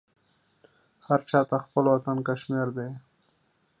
هر چا ته خپل وطن کشمیر دی.